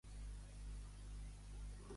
Com va fer acte de presència en Jan, però?